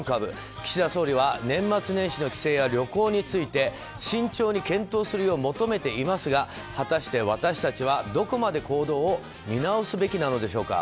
岸田総理は年末年始の帰省や旅行について慎重に検討するよう求めていますが果たして私たちはどこまで行動を見直すべきなのでしょうか。